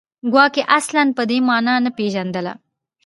ګواکې اصلاً په دې معنا نه پېژندله